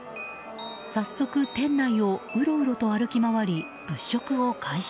早速、店内をうろうろと歩き回り物色を開始。